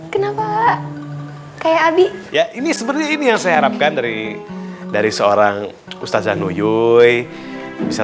kayak abik ya ini sebenarnya ini yang saya harapkan dari dari seorang ustadz zanuyuy bisa